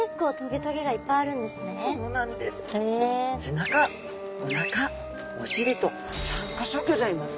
背中おなかお尻と３か所ギョざいます！